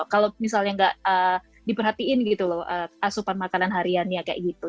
kalau misalnya nggak diperhatiin gitu loh asupan makanan hariannya kayak gitu